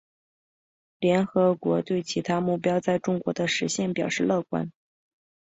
联合国对其他目标在中国的实现表示乐观。